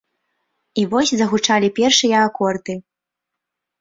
І вось загучалі першыя акорды.